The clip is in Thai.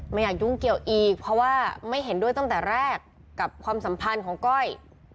ไม่อยากยุ่งเกี่ยวอีกเพราะว่าไม่เห็นด้วยตั้งแต่แรกกับความสัมพันธ์ของก้อย